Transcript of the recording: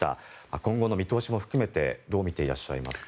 今後の見通しも含めてどう見ていらっしゃいますか？